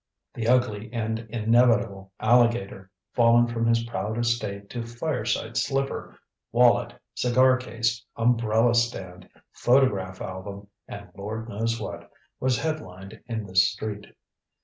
The ugly and inevitable alligator, fallen from his proud estate to fireside slipper, wallet, cigar case, umbrella stand, photograph album and Lord knows what, was head lined in this street.